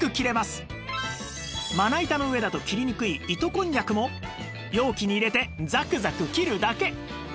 まな板の上だと切りにくい糸こんにゃくも容器に入れてザクザク切るだけ